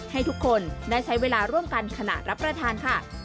ให้ทุกคนได้ใช้เวลาร่วมกันขณะรับประทานค่ะ